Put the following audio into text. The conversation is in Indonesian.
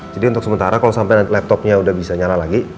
jadi untuk sementara kalo sampe laptopnya udah bisa nyala lagi